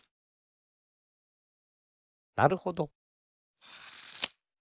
なるほど。